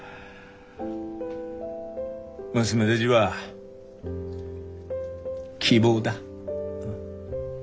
娘だぢは希望だ。